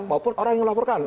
maupun orang yang dilaporkan